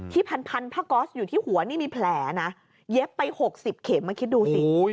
พันผ้าก๊อสอยู่ที่หัวนี่มีแผลนะเย็บไป๖๐เข็มมาคิดดูสิ